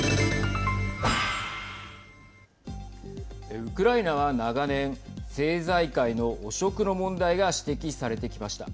ウクライナは長年政財界の汚職の問題が指摘されてきました。